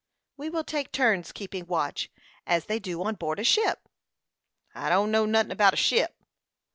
"We will take turns keeping watch, as they do on board a ship." "I don't know nothin' about a ship."